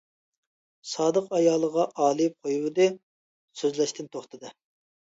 سادىق ئايالىغا ئالىيىپ قويۇۋىدى، سۆزلەشتىن توختىدى.